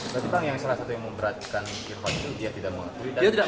salah satu yang memberatkan kekot dia tidak mau dia tidak